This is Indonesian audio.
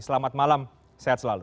selamat malam sehat selalu